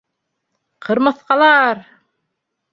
Ҡырмыҫҡалар!